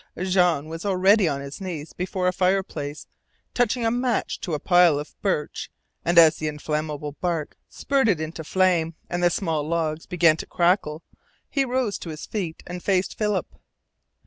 Jean was already on his knees before a fireplace touching a match to a pile of birch, and as the inflammable bark spurted into flame and the small logs began to crackle he rose to his feet and faced Philip.